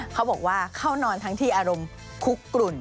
เขาบอกว่าเข้านอนทั้งที่อารมณ์คุกกลุ่น